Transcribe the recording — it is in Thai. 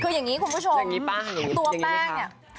คืออย่างงี้คุณผู้ชมจริงงี้ป่ะตัวแป้งนี้อย่างงี้เนี่ยค่ะ